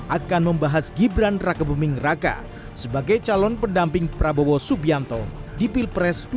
akan membahas ibran raka buming raka sebagai calon pendamping prabowo subianto di pilpres dua ribu dua puluh empat